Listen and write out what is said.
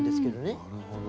なるほど。